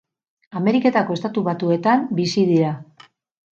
Ameriketako Estatu Batuetan bizi dira.